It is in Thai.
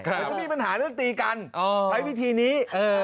มันจะมีปัญหาเรื่องตีกันใช้วิธีนี้